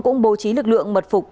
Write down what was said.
cũng bố trí lực lượng mật phục